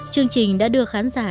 chương trình đã đưa khán giả